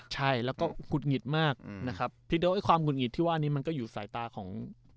ใช่แล้วก็หงุดหงิดมากนะครับพี่โดไอความหุดหงิดที่ว่านี้มันก็อยู่สายตาของ